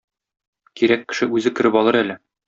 Кирәк кеше үзе кереп алыр әле.